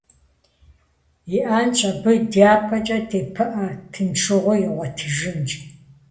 Иӏэнщ абы дяпэкӏэ тепыӏэ, тыншыгъуи игъуэтыжынщ.